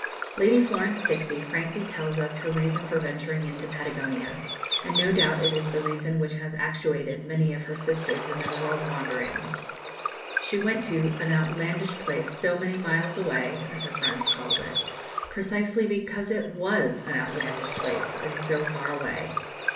Lady Florence Dixie frankly tells us her reason for venturing into Patagonia, and no doubt it is the reason which has actuated many of her sisters in their world wanderings. She went to "an outlandish place so many miles away" as her friends called it "precisely because it was an outlandish place and so far away."